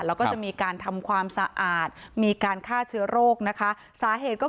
แล้วก็จะมีการทำความสะอาดมีการฆ่าเชื้อโรคนะคะสาเหตุก็คือ